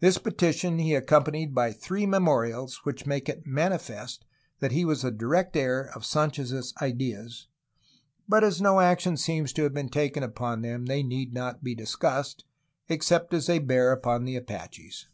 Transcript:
This petition he accompanied by three me morials which make it manifest that he was the direct heir of Sanchez's ideas, but as no action seems to have been taken upon them they need not be discussed, except as they bear upon the Apaches.